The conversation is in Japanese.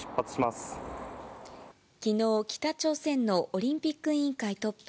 きのう、北朝鮮のオリンピック委員会トップ、